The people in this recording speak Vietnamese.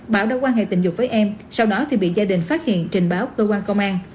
bảo đã quan hệ tình dục với em sau đó thì bị gia đình phát hiện trình báo cơ quan công an